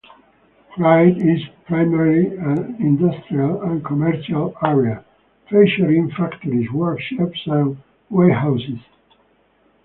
Clyde is primarily an industrial and commercial area, featuring factories, workshops and warehouses.